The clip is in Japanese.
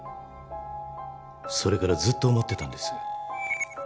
それからずっと思ってたんです。